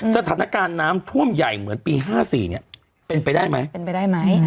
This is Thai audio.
สถานการณ์น้ำท่วมใหญ่เหมือนปี๕๔เนี่ยเป็นไปได้ไหมเป็นไปได้ไหม